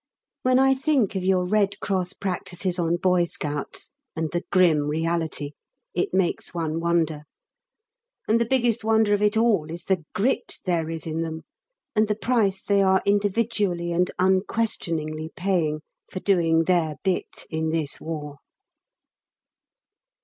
When I think of your Red Cross practices on boy scouts, and the grim reality, it makes one wonder. And the biggest wonder of it all is the grit there is in them, and the price they are individually and unquestioningly paying for doing their bit in this War.